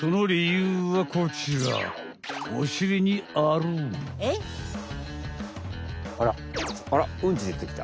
うんちでてきた！